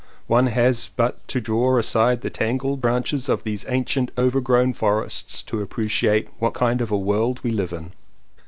One has but to draw aside the tangled branches of these ancient overgrown forests to ap preciate what kind of a world we live in.